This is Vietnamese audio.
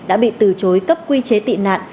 đã bị từ chối cấp quy chế tị nạn